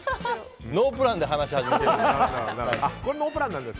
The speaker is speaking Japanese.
ノープランで話し始めてるので。